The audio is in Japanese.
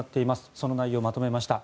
その内容をまとめました。